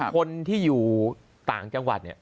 คนที่อยู่ต่างจังหวัดเนี่ย